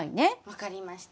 分かりました。